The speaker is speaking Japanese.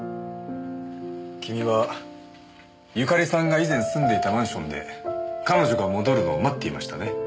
君は由香利さんが以前住んでいたマンションで彼女が戻るのを待っていましたね。